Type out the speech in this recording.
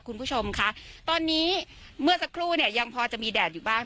คุณผู้ชมค่ะตอนนี้เมื่อสักครู่เนี่ยยังพอจะมีแดดอยู่บ้าง